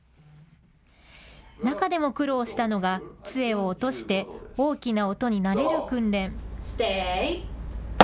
中でも苦労したのがつえを落として大きな音に慣れる訓練。